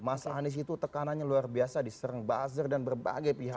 mas anies itu tekanannya luar biasa diserang buzzer dan berbagai pihak